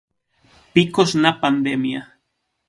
Picos na pandemia.